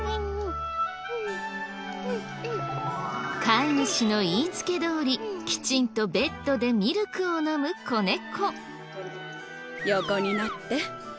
飼い主の言いつけどおりきちんとベッドでミルクを飲む子猫。